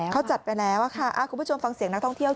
เขาจัดไปแล้วค่ะคุณผู้ชมฟังเสียงนักท่องเที่ยว